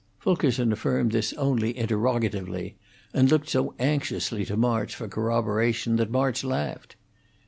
Fulkerson affirmed this only interrogatively, and looked so anxiously to March for corroboration that March laughed.